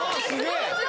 すごい！